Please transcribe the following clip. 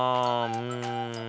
うん。